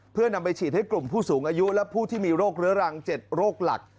เพื่อนำไปฉีดให้กลุ่มผู้สูงอายุและผู้ที่มีโรคเรื้อรัง๗โรคหลัก